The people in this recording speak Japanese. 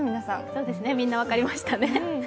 そうですね、みんな分かりましたね。